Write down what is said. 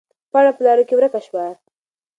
پاڼه په لارو کې ورکه شوه.